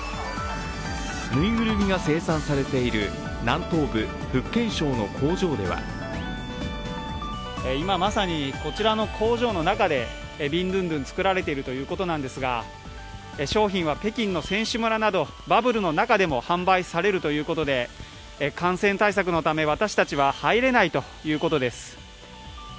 ぬいぐるみが生産されている南東部、福建省の工場では今まさにこちらの工場の中で、ビンドゥンドゥン、作られているということなんですが、商品は北京の選手村など、バブルの中でも販売されるということで感染対策のため私たちは入れないということです。